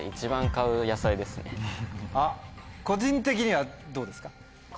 個人的にはどうですか？